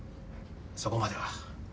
そこまでは。